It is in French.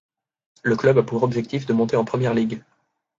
Le club a pour objectif de monter en Premier League.